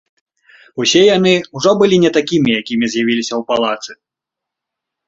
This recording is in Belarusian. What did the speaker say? Усе яны ўжо былі не такімі, якімі з'явіліся ў палацы.